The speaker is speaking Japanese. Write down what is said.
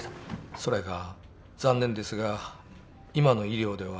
それが残念ですが今の医療では